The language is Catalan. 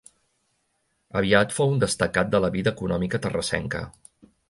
Aviat fou un destacat de la vida econòmica terrassenca.